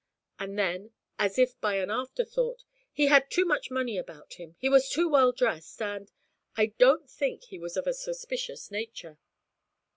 And then, as if by an afterthought, 'He had too much money about him; he was too well dressed, and I don't think he was of a suspicious nature.'